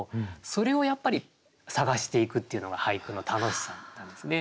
それをやっぱり探していくっていうのが俳句の楽しさなんですね。